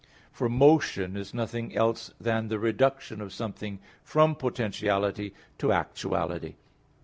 For motion is nothing else than the reduction of something from potentiality to actuality.